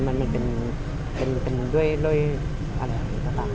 บางเรื่องที่เป็นแบบ